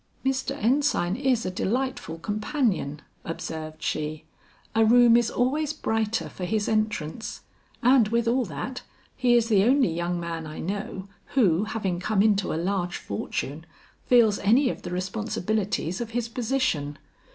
"Mr. Ensign is a delightful companion," observed she; "a room is always brighter for his entrance; and with all that, he is the only young man I know, who having come into a large fortune, feels any of the responsibilities of his position.